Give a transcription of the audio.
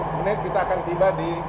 satu menit kita akan tiba di